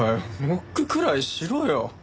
ノックくらいしろよ！